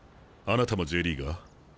あなたもＪリーガー？